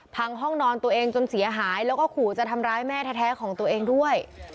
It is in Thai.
ห้องนอนตัวเองจนเสียหายแล้วก็ขู่จะทำร้ายแม่แท้ของตัวเองด้วย